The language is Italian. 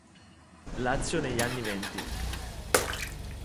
Lazio negli anni venti.